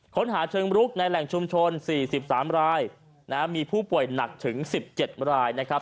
ค้นหาเชิงรุกในแหล่งชุมชน๔๓รายมีผู้ป่วยหนักถึง๑๗รายนะครับ